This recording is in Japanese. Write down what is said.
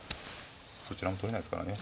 そちらも取れないですからね。